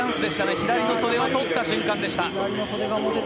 左の袖をとった瞬間でした。